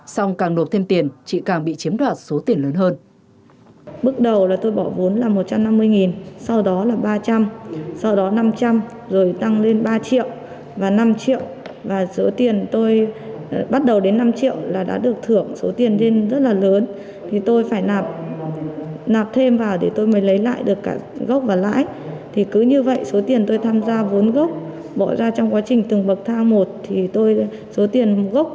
xong càng nộp thêm tiền chỉ càng bị chiếm đoạt số tiền lớn hơn